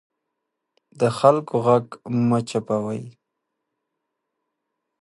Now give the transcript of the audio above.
د خلکو غږ مه چوپوئ